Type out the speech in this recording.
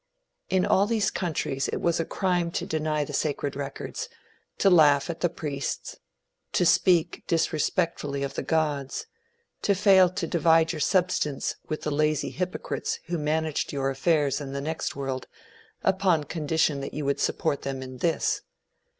In all these countries it was a crime to deny the sacred records, to laugh at the priests, to speak disrespectfully of the gods, to fail to divide your substance with the lazy hypocrites who managed your affairs in the next world upon condition that you would support them in this.